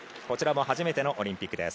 こちらも初めてのオリンピック。